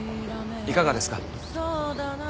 いかがですか？